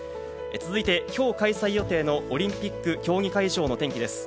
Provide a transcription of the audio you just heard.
続いて、今日開催予定のオリンピック競技会場の天気です。